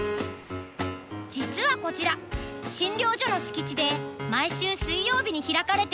実はこちら診療所の敷地で毎週水曜日に開かれているテントカフェ。